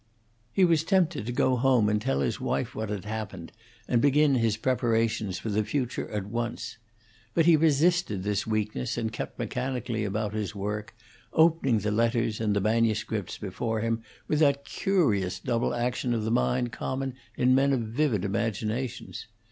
He was tempted to go home and tell his wife what had happened, and begin his preparations for the future at once. But he resisted this weakness and kept mechanically about his work, opening the letters and the manuscripts before him with that curious double action of the mind common in men of vivid imaginations.